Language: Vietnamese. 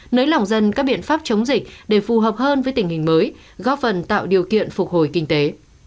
nới lỏng dân các biện pháp chống dịch để phù hợp hơn với tình hình mới góp phần tạo điều kiện phục hồi kinh tế